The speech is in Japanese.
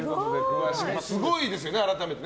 すごいですよね、改めて。